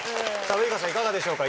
ウイカさんいかがでしょうか？